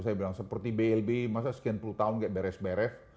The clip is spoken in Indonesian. saya bilang seperti blb masa sekian puluh tahun kayak beres beres